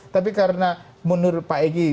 tapi karena menurut pak egy